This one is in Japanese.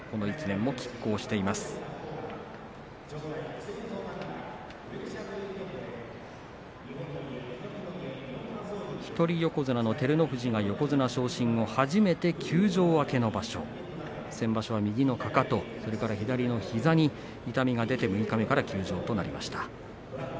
一人横綱の照ノ富士が横綱昇進後初めて休場明けの場所先場所、右のかかとそれから左の膝に痛みが出て六日目から休場となりました。